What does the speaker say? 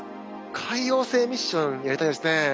海王星ミッションやりたいですね。